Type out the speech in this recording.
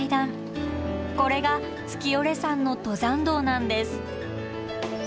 これが月居山の登山道なんです。